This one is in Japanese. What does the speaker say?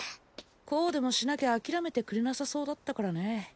こうでもしなきゃ諦めてくれなさそうだったからね